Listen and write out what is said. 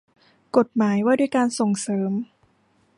กฎหมายว่าด้วยการส่งเสริม